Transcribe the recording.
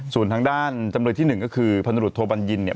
ส่วนทางด้านจำนวนที่๑ก็คือพนฤทธบัญญินเนี่ย